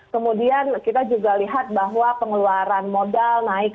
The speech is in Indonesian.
kemudian kita juga lihat bahwa pengeluaran modal naik